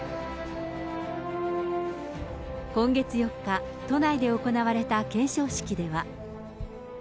今月４日、都内で行われた顕彰式では。